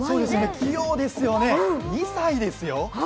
器用ですよね、２歳ですよ。